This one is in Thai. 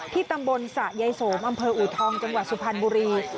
ตำบลสะยายสมอำเภออูทองจังหวัดสุพรรณบุรี